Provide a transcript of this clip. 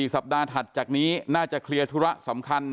สัปดาห์ถัดจากนี้น่าจะเคลียร์ธุระสำคัญ